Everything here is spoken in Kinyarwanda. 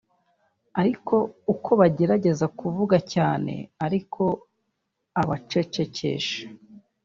ariko uko bagerageza kuvuga cyane ariko abacecekesha